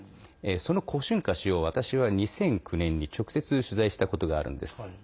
その胡春華氏を私は２００９年に直接取材したことがあるんです。